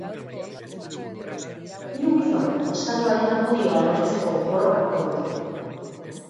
Hiru gizon neskatoaren amodioa lortzeko borrokatuko dute.